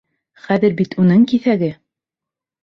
Хәҙер бит уның киҫәге!